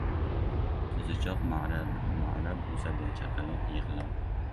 • Qo‘zichoq ma’rab o‘sadi, chaqaloq ― yig‘lab.